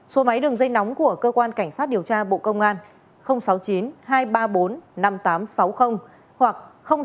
số máy đường dây nóng của cơ quan cảnh sát điều tra bộ công an sáu mươi chín hai trăm ba mươi bốn năm nghìn tám trăm sáu mươi hoặc sáu mươi chín hai trăm ba mươi hai một nghìn sáu trăm